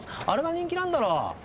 あれが人気なんだろ。